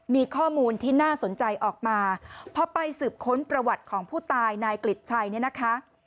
มีข้อมูลที่น่าสนใจออกมาพอไปสืบค้นประวัติของผู้ตายนายกลิดชัยเนี่ยนะคะ